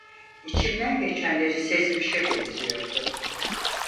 İçimden geçenleri sezmişe benziyordu.